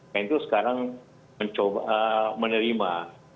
dan itu sekarang menerima